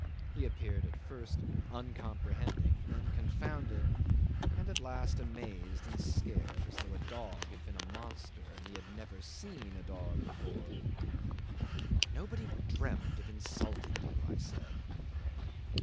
He appeared at first uncomprehending, then confounded, and at last amazed and scared as though a dog had been a monster and he had never seen a dog before. "Nobody dreamt of insulting you," I said.